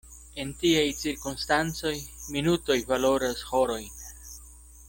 En tiaj cirkonstancoj minutoj valoras horojn.